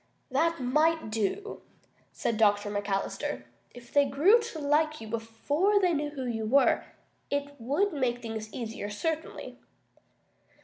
"That might do," said Dr. McAllister. "If they grew to like you before they knew who you were, it would make things easier, certainly."